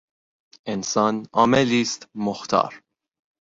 انسان عاملی است مختار.